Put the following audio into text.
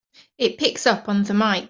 It picks up on the mike!